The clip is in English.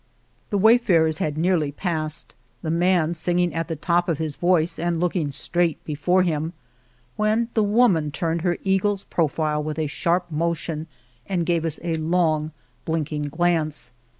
The wayfarers had nearly passed, the man singing at the top of his voice and looking straight before him, when the woman turned her eagle's profile with a sharp motion and gave us a long blinking glance.